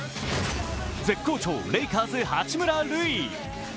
絶好調、レイカーズ・八村塁。